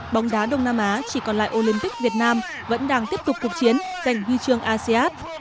bóng đá đông nam á chỉ còn lại olympic việt nam vẫn đang tiếp tục cuộc chiến giành huy chương asean